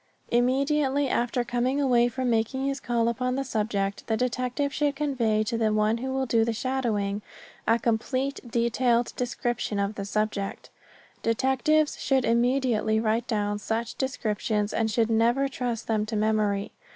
Immediately after coming away from making his call upon the subject, the detective should convey to the one who will do the shadowing, a complete detailed description of the subject. Detectives should immediately write down such descriptions and should never trust them to memory.